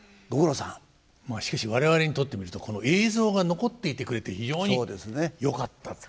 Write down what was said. まあしかし我々にとってみるとこの映像が残っていてくれて非常によかった。